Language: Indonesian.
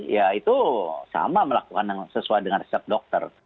ya itu sama melakukan yang sesuai dengan resep dokter